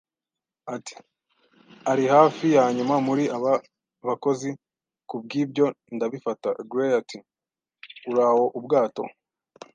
Ati: "Ari hafi ya nyuma muri aba bakozi kubwibyo, ndabifata." Gray ati: "Uraho, ubwato,"